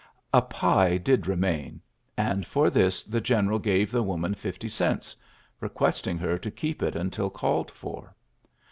A pie did remain ; and for this the general gave the woman fifty cents, requesting her to keep it until called for.